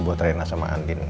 buat rena sama andin